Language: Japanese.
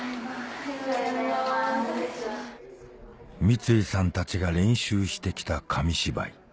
三井さんたちが練習して来た紙芝居